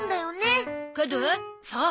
そう。